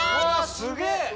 すげえ！